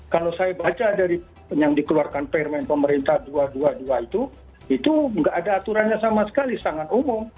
kalau saya baca dari yang dikeluarkan permen pemerintah dua ratus dua puluh dua itu itu nggak ada aturannya sama sekali sangat umum